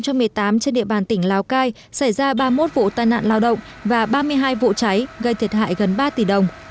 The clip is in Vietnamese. năm hai nghìn một mươi tám trên địa bàn tỉnh lào cai xảy ra ba mươi một vụ tai nạn lao động và ba mươi hai vụ cháy gây thiệt hại gần ba tỷ đồng